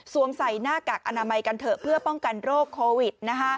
ใส่หน้ากากอนามัยกันเถอะเพื่อป้องกันโรคโควิด